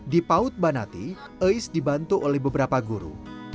di paut banati ais dibantu oleh beberapa guru